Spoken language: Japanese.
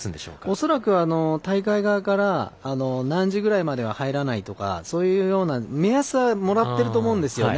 恐らく大会側から何時ぐらいまでは入らないとかそういうような目安はもらってると思うんですよね。